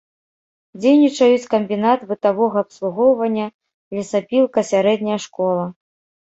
Дзейнічаюць камбінат бытавога абслугоўвання, лесапілка, сярэдняя школа.